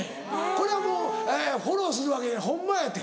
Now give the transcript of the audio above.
これはもうフォローするわけじゃないホンマやて。